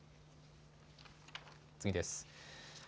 次です。